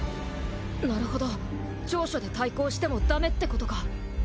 なるほど長所で対抗してもだめってことか。